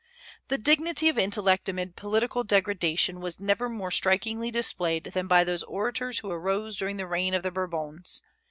The dignity of intellect amid political degradation was never more strikingly displayed than by those orators who arose during the reign of the Bourbons.